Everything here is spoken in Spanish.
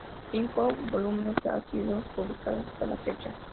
Cinco volúmenes han sido publicados hasta la fecha.